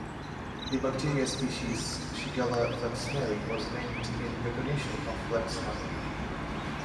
The bacteria species "Shigella flexneri" was named in recognition of Flexner.